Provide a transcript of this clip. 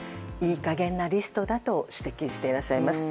いい加減なリストだと指摘していらっしゃいます。